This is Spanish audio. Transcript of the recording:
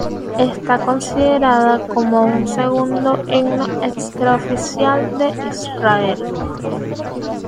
Está considerada como un segundo himno extraoficial de Israel.